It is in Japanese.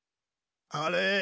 あれ？